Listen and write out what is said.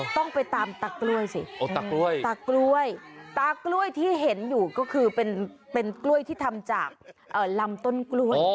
ต้องไปตามตากล้วยสิตากล้วยตากล้วยตากล้วยที่เห็นอยู่ก็คือเป็นกล้วยที่ทำจากลำต้นกล้วย